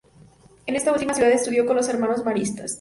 En esta última ciudad estudió con los Hermanos Maristas.